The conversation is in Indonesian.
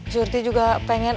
juti juga pengen